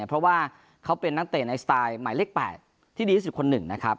เพราะว่าเขาเป็นนักเตะในสไตล์หมายเลข๘ที่ดีที่สุดคนหนึ่งนะครับ